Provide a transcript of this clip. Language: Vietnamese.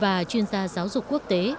và chuyên gia giáo dục quốc tế